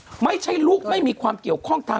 คุณหนุ่มกัญชัยได้เล่าใหญ่ใจความไปสักส่วนใหญ่แล้ว